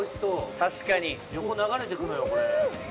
確かに横流れていくのよこれ。